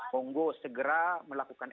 monggo segera melakukan